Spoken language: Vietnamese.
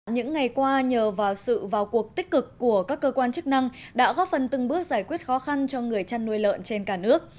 những ngày qua nhờ vào sự vào cuộc tích cực của các cơ quan chức năng đã góp phần từng bước giải quyết khó khăn cho người chăn nuôi lợn trên cả nước